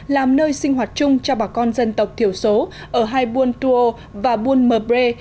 làm nơi sinh hoạt chung cho bà con dân tộc thiểu số ở hai buôn tuô và buôn mờ brê